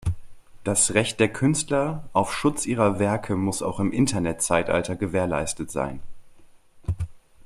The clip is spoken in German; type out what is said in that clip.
Das Recht der Künstler auf Schutz ihrer Werke muss auch im Internetzeitalter gewährleistet sein.